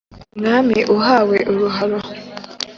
umwami uhawe uruharo